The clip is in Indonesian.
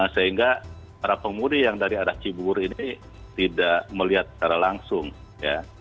sehingga para pemudi yang dari arah cibubur ini tidak melihat secara langsung ya